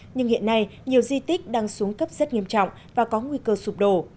nhưng hiện nay nhiều di tích đang xuống cấp rất nghiêm trọng và có nguy cơ sụp đổ